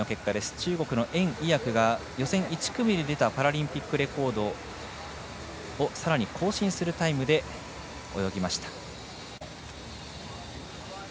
中国の袁偉訳が予選１組で出たパラリンピックレコードをさらに更新するタイムで泳ぎました。